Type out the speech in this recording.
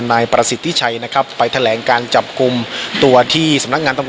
นายประสิทธิชัยนะครับไปแถลงการจับกลุ่มตัวที่สำนักงานตำรวจ